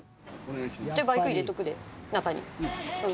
じゃあバイク入れておくで中に。